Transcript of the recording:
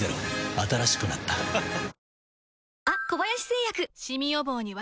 新しくなったハァ。